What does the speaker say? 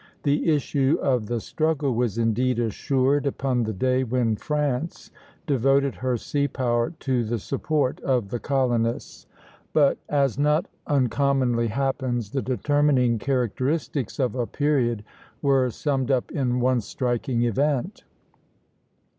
The issue of the struggle was indeed assured upon the day when France devoted her sea power to the support of the colonists; but, as not uncommonly happens, the determining characteristics of a period were summed up in one striking event.